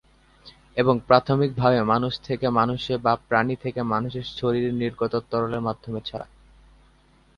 এবং প্রাথমিকভাবে মানুষ থেকে মানুষে বা প্রাণী থেকে মানুষে শরীর নির্গত তরলের মাধ্যমে ছড়ায়।